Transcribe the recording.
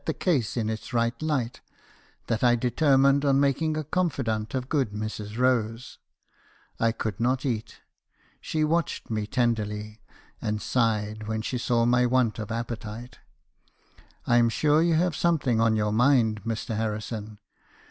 hakrison's confessions. the case in its right light , that I determined on making a confi dante of good Mrs. Rose. I could not eat. She watched me tenderly, and sighed when she saw my want of appetite. "' I am sure you have something on your mind , Mr. Harri son.